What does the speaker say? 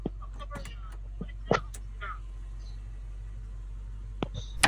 在教堂前有给这场爆炸的受害者所立的大塑像。